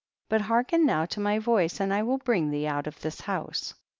but hearken now to my voice and I will bring thee out of this house.